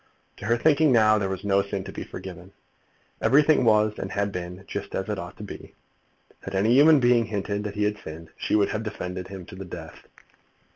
To her thinking now, there was no sin to be forgiven. Everything was, and had been, just as it ought to be. Had any human being hinted that he had sinned, she would have defended him to the death.